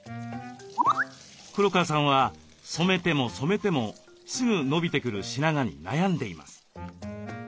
黒川さんは染めても染めてもすぐ伸びてくる白髪に悩んでいます。